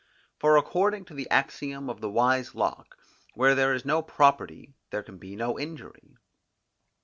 For according to the axiom of the wise Locke, Where there is no property, there can be no injury.